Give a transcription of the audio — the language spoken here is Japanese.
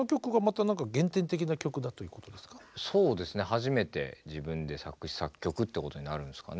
初めて自分で作詞作曲ってことになるんですかね